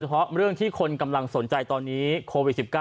เพราะเรื่องที่คนกำลังสนใจตอนนี้โควิด๑๙